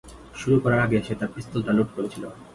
শুরু করার আগে সে তার পিস্তলটা লোড করেছিল।